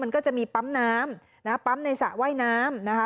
มันก็จะมีปั๊มน้ำนะคะปั๊มในสระว่ายน้ำนะคะ